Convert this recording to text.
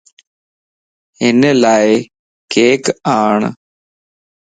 ھن لاڪيڪ آڻ